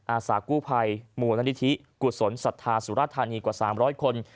อาสากู้ภัยมูลนิธิกุศลศรัทธาสุรธานีกว่า๓๐๐คน